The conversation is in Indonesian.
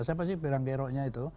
siapa sih peranggeroknya itu